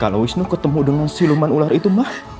kalau wisnu ketemu dengan siluman ular itu mah